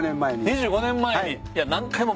２５年前に。